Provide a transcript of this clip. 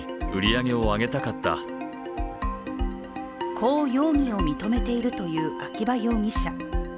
こう容疑を認めているという秋葉容疑者。